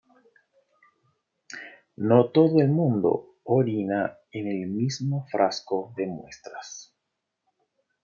No todo el mundo orina en el mismo frasco de muestras".